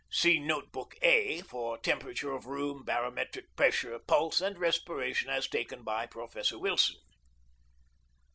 See Note book A for temperature of room, barometric pressure, pulse, and respiration as taken by Professor Wilson.